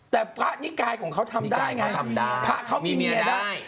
แต่พระนิกายของเขาทำได้ไงทำได้พระเขามีเมียได้